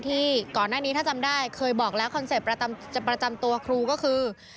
ที่ก่อนหน้านี้ถ้าจำได้เคยบอกแล้วคอนเซ็ปต์ประจำตัวครูก็คือ